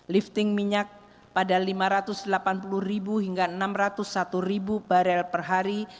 lifting minyak pada lima ratus delapan puluh hingga enam ratus satu barel per hari